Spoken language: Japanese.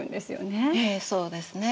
ええそうですね。